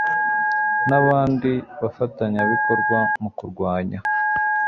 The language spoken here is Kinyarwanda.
n abandi bafatanyabikorwa mu kurwanya